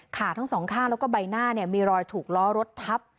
ขาทั้งสองข้างแล้วก็ใบหน้ามีรอยถูกล้อรถทับ